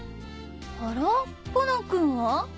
あらコナン君は？